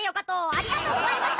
ありがとうございます！